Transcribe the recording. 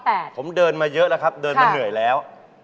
แต่ผมเดินมาเยอะแล้วครับเดินมาเหนื่อยแล้ว